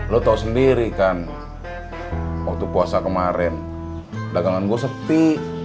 lo tahu sendiri kan waktu puasa kemarin dagangan gue sepi